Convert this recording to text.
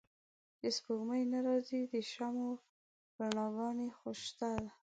چې سپوږمۍ نه را ځي د شمعو رڼاګا نې خوشته